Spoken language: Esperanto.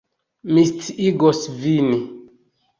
Mi sciigos vin.